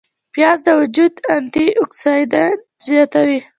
پیاز د وجود انتي اوکسیدانت زیاتوي